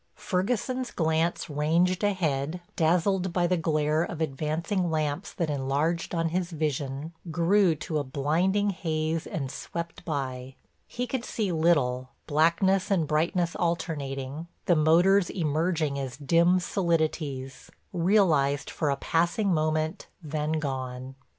Ferguson's glance ranged ahead, dazzled by the glare of advancing lamps that enlarged on his vision, grew to a blinding haze and swept by. He could see little, blackness and brightness alternating, the motors emerging as dim solidities, realized for a passing moment, then gone.